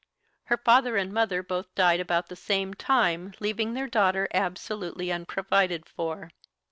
Her father and mother both died about the same time, leaving their daughter absolutely unprovided for.